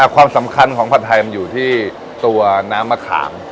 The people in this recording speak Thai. ความสำคัญของผัดไทยมันอยู่ที่ตัวน้ำมะขาม